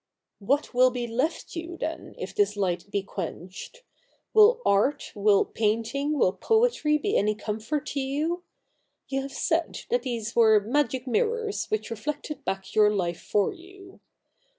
' What will be left you then if this light be quenched ? Will art, will painting, will poetry be any comfort to you ? You have said that these were magic mirrors which reflected back your life for you.